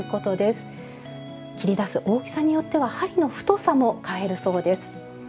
切り出す大きさによっては針の太さも変えるそうです。